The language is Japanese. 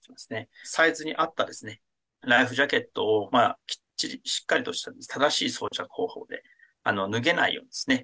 サイズに合ったライフジャケットをきっちりしっかりとした正しい装着方法で脱げないようにですね